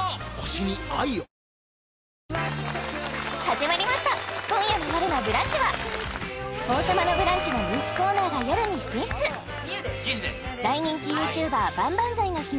始まりました今夜の「よるのブランチ」は「王様のブランチ」の人気コーナーが夜に進出大人気ＹｏｕＴｕｂｅｒばんばんざいの秘密